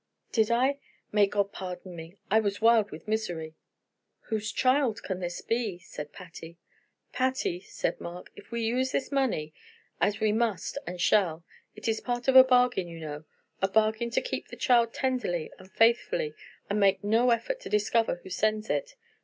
"Did I? May God pardon me I was wild with misery!" "Whose child can this be?" said Patty. "Patty," said Mark, "if we use this money, as we must and shall, it is part of a bargain, you know a bargain to keep the child tenderly and faithfully, and make no effort to discover who sends it.